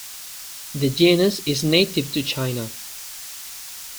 The genus is native to China.